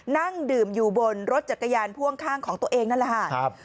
นั่งดื่มอยู่บนรถจักรยานพ่วงข้างของตัวเองนั่นแหละค่ะ